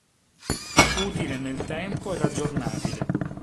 Utile nel tempo ed aggiornabile.